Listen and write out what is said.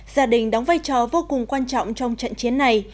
gia đình đóng vai trò vô cùng quan trọng trong trận chiến này